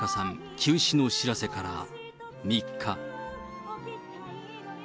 急死の知らせから３日。